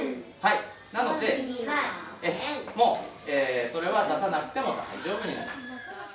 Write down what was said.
なので、もうそれは出さなくても大丈夫になりました。